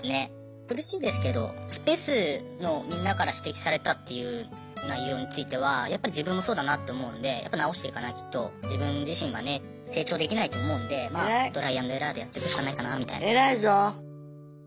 苦しいですけどスペースのみんなから指摘されたっていう内容についてはやっぱり自分もそうだなって思うんでやっぱ直していかないと自分自身がね成長できないと思うんでトライアンドエラーでやってくしかないかなみたいな。偉いぞ。